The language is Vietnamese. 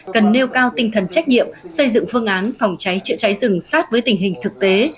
cần nêu cao tinh thần trách nhiệm xây dựng phương án phòng cháy chữa cháy rừng sát với tình hình thực tế